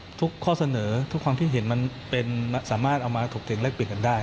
อาปุ่นเครื่องคนถ้าเชิญของขั้นความที่เห็นมันเป็นสามารถเอามาถูกเต็มแลกเปลี่ยนกันได้